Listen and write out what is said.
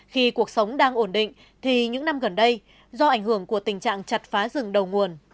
khi cuộc sống đang ổn định thì những năm gần đây do ảnh hưởng của tình trạng chặt phá rừng đầu nguồn